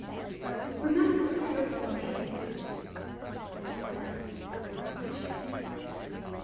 Remember the proposal I made you one day, half in earnest half in jest.